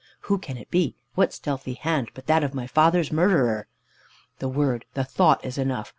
Who can it be? What stealthy hand but that of my father's murderer? The word the thought is enough.